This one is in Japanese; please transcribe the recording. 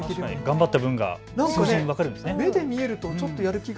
頑張った分が数字で分かるんですね。